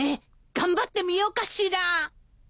頑張ってみようかしら。